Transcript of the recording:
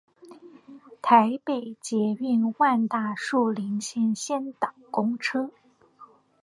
台北捷運萬大樹林線先導公車